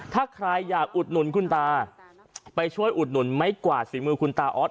ถ้าใครอยากอุดหนุนคุณตาไปช่วยอุดหนุนไม้กวาดฝีมือคุณตาออส